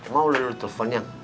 mau lebih muntuh